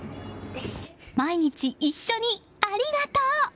毎日一緒にありがとう！